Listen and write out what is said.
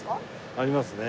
ありますね。